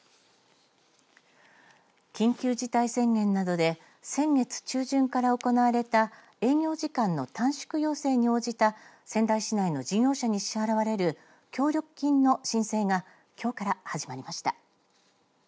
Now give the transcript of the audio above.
緊急事態宣言などで先月中旬から行われた営業時間の短縮要請に応じた仙台市内の事業者に支払われる協力金の申請がきょうから始まりました。